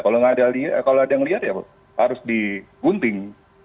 kalau nggak ada yang liar ya harus digunting